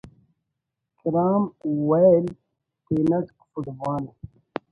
کرام ویل تینٹ فٹ بال